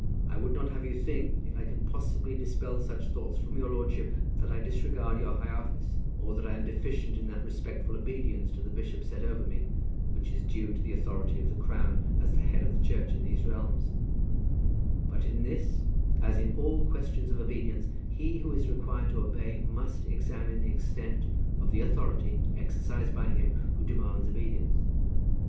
I would not have you to think, if I can possibly dispel such thoughts from your mind, that I disregard your high office, or that I am deficient in that respectful obedience to the bishop set over me, which is due to the authority of the Crown as the head of the church in these realms; but in this, as in all questions of obedience, he who is required to obey must examine the extent of the authority exercised by him who demands obedience.